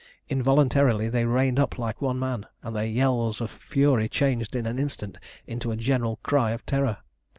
Involuntarily they reined up like one man, and their yells of fury changed in an instant into a general cry of terror.